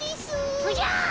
おじゃっ！